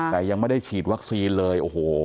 แต่ยังไม่ได้ฉีดวัคซีนเลย